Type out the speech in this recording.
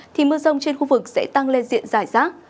thì mưa rông trên khu vực sẽ tăng lên diện giải rác